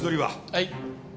はい。